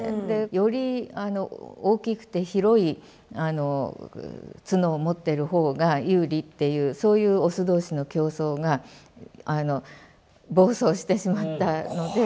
より大きくて広い角を持ってる方が有利っていうそういうオス同士の競争が暴走してしまったので。